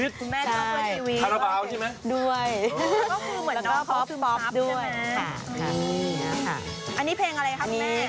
อ๋อคุณแม่คุณแม่ชอบเพื่อชีวิต